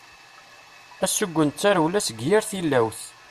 Asugen d tarewla seg yir tillawt.